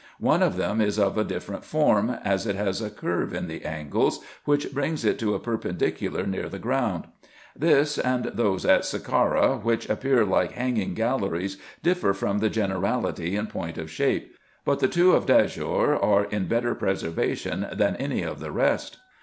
One of them is of a different form, as it has a curve in the angles, which brings it to a perpendicular near the ground. This, and those at Sacara, which appear like hanging galleries, differ from the generality in point of shape ; but the two of Dajior are in better preservation than any of the rest.